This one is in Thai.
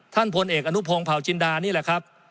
พลเอกอนุพงศ์เผาจินดานี่แหละครับ